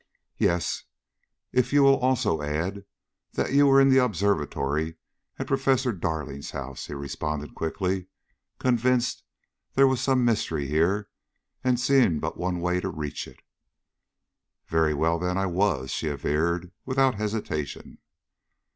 "Yes, if you will also add that you were in the observatory at Professor Darling's house," he responded quickly, convinced there was some mystery here, and seeing but one way to reach it. "Very well, then, I was," she averred, without hesitation.